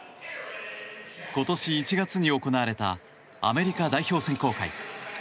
今年１月に行われたアメリカ代表選考会。